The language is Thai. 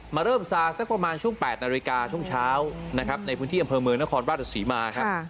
มาเริ่มซาสักประมาณช่วง๘นาฬิกาช่วงเช้านะครับในพื้นที่อำเภอเมืองนครราชศรีมาครับ